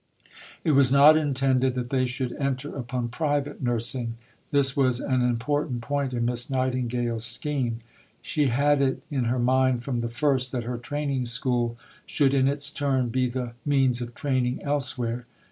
It was not intended that they should enter upon private nursing. This was an important point in Miss Nightingale's scheme. She had it in her mind from the first that her Training School should in its turn be the means of training elsewhere.